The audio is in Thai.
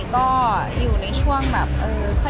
ก็อยู่ในช่วงแบบเออ